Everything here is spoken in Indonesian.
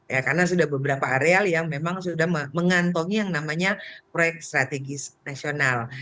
ya karena sudah beberapa areal yang memang sudah mengantongi yang namanya proyek strategis nasional